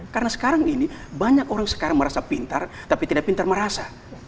karena sekarang ini banyak orang sekarang merasa pintar tapi tidak pintar merasa